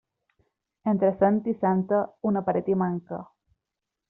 Entre sant i santa, una paret hi manca.